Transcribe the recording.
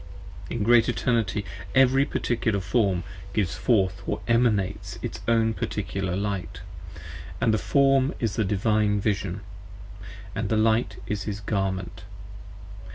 p. 54 IN Great Eternity, every particular Form gives forth or Emanates Its own peculiar Light, & the Form is the Divine Vision, And the Light is his Garment.